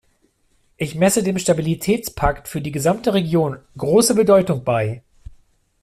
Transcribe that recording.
Ich messe dem Stabilitätspakt für die gesamte Region große Bedeutung bei.